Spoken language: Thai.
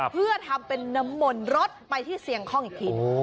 เพื่อทำเป็นน้ำมนต์รสไปที่เสียงคล่องอีกที